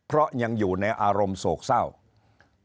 เพราะยังอยู่ในอารมณ์โศกเศร้าเพราะยังอยู่ในอารมณ์โศกเศร้า